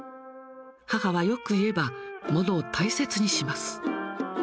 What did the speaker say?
母はよく言えば、物を大切にします。